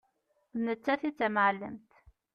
D nettat i d tamεellemt.